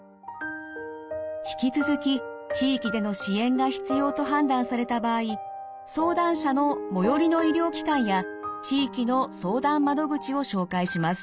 引き続き地域での支援が必要と判断された場合相談者の最寄りの医療機関や地域の相談窓口を紹介します。